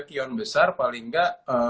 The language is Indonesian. kion besar paling gak